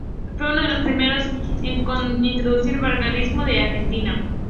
Fue uno de los primeros en introducir el vanguardismo en Argentina.